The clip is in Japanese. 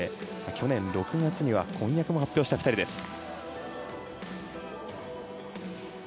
去年６月には婚約も発表した２人です。